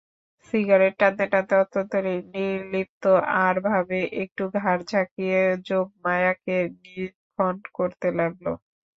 Cigarette টানতে টানতে অত্যন্ত নির্লিপ্ত আড় ভাবে একটু ঘাড় বাঁকিয়ে যোগমায়াকে নিরীক্ষণ করতে লাগল।